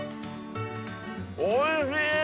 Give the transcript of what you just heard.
おいしい！